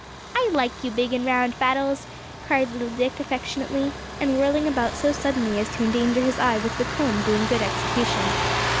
"I like you big and round, Battles," cried little Dick affectionately, and whirling about so suddenly as to endanger his eye with the comb doing good execution.